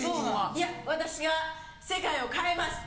いや私が世界を変えます。